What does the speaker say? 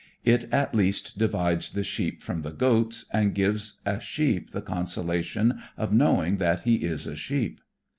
It at least divides the sheep from the goats and gives a sheep the consolation of knowing that he is a sheep.